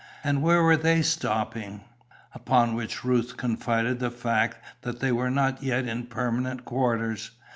And where were they stopping? Upon which Ruth confided the fact that they were not yet in permanent quarters.